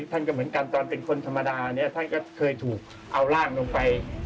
ท่านก็เหมือนกันตอนเป็นคนธรรมดาเนี่ยท่านก็เคยถูกเอาร่างลงไป